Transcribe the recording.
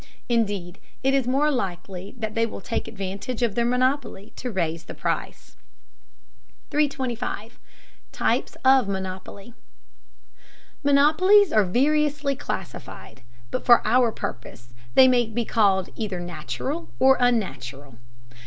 Indeed it is more likely that they will take advantage of their monopoly to raise the price. 325. TYPES OF MONOPOLY. Monopolies are variously classified, but for our purpose they may be called either natural or unnatural.